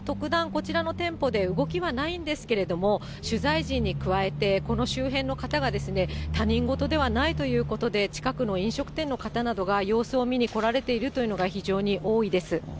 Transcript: こちらの店舗で動きはないんですけれども、取材陣に加えて、この周辺の方は他人事ではないということで、近くの飲食店の方などが様子を見に来られているというのが非常に多いです。